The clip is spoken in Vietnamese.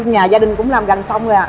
dạ cũng nhà gia đình cũng làm gần xong rồi ạ